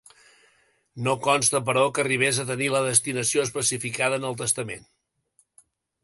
No consta però que arribés a tenir la destinació especificada en el testament.